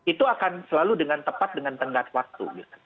itu akan selalu dengan tepat dengan tenggat waktu